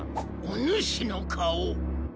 おぬしの顔。